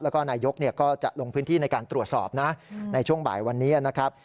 แล้วก็นายกก็จะลงพื้นที่ในการตรวจสอบนะในช่วงบ่ายวันนี้นะครับ